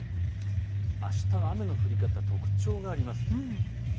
あしたは雨の降り方、特徴があります。